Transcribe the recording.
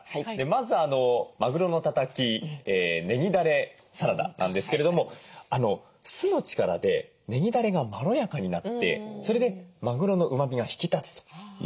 まず「まぐろのたたきねぎだれサラダ」なんですけれども酢の力でねぎだれがまろやかになってそれでまぐろのうまみが引き立つということでした。